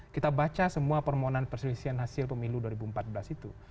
kita baca semua permohonan perselisihan hasil pemilu dua ribu empat belas itu